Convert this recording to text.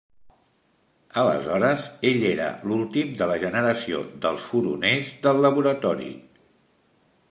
Aleshores, ell era l'últim de la generació dels furoners del laboratori.